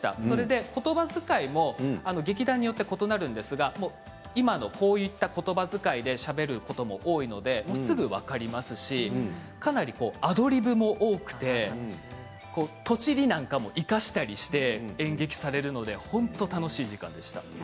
それで、ことばづかいも劇団によって異なるんですが今のこういった、ことばづかいでしゃべることも多いのですぐ分かりますしかなりアドリブも多くてとちりなんかも生かしたりして演劇をされるのでとても楽しい時間でした。